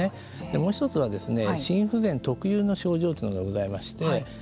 もう一つは心不全特有の症状というのがありまして。